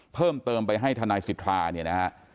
เพิ่มเติมไปให้ทนายสิทธาเนี่ยนะฮะ